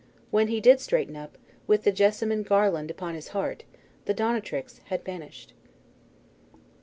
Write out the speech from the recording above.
When he did straighten up, with the jessamine garland upon his heart, the donatrix had vanished.